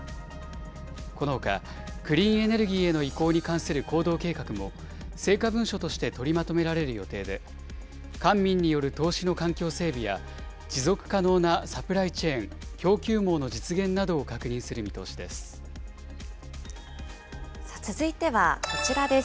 このほか、クリーンエネルギーへの移行に関する行動計画も成果文書として取りまとめられる予定で、官民による投資の環境整備や、持続可能なサプライチェーン・供給網の実現などを確認する見通し続いてはこちらです。